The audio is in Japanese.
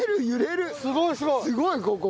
すごいここ。